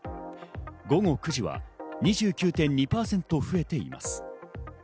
午後９時は２９．２％増えています。